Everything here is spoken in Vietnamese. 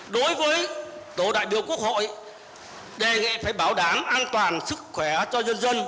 đối với tổ đại biểu quốc hội đề nghệ phải bảo đảm an toàn sức khỏe cho nhân dân